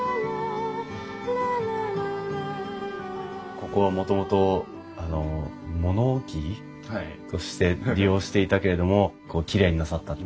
ここはもともと物置として利用していたけれどもきれいになさったって。